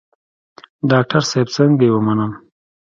ډاکتر صاحب څنګه يې ومنم.